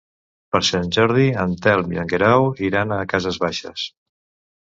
Per Sant Jordi en Telm i en Guerau iran a Cases Baixes.